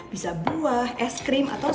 bisa buah es dan juga adonan yang anda suka